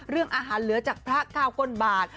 เรื่องอาหารเหลือจากพระ๙ก้นบาท